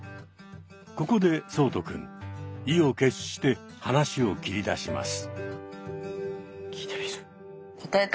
ここで聡人くん意を決して話を切り出します。